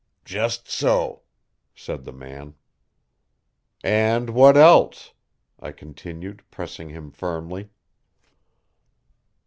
"Just so," said the man. "And what else?" I continued, pressing him firmly.